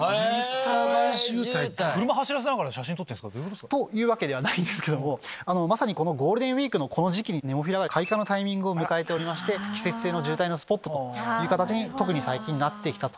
こちら近くに。というわけではないんですけどもまさにゴールデンウイークの時期にネモフィラが開花のタイミングを迎えておりまして季節性の渋滞のスポットと特に最近なってきたと。